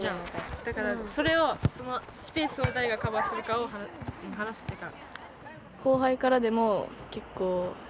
だからそれをそのスペースを誰がカバーするかを話すっていうか。